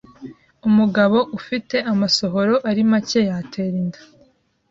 Umugabo ufite amasohoro ari macye yatera inda